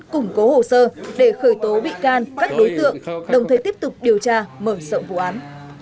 củng cố hồ sơ để khởi tố bị can các đối tượng đồng thời tiếp tục điều tra mở rộng vụ án